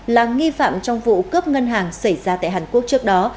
là nghi phạm trong vụ cướp ngân hàng xảy ra tại hàn quốc trước đó